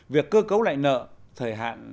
việc cơ cấu lại nợ thời hạn